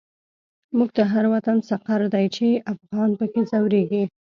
موږ ته هر وطن سقر دی، چی افغان په کی ځوريږی